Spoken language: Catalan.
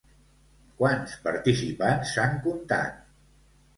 Quants participants s'han contat?